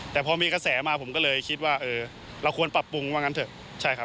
แต่พอมีกระแสมาผมก็เลยคิดว่าเออเราควรปรับปรุงว่างั้นเถอะใช่ครับ